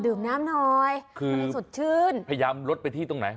ดื่มน้ำหน่อยคือพยายามรดไปที่สุดชื่นไหน